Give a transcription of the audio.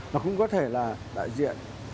và cũng có thể là đại diện